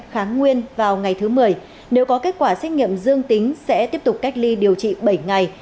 kháng nguyên vào ngày thứ một mươi nếu có kết quả xét nghiệm dương tính sẽ tiếp tục cách ly điều trị bảy ngày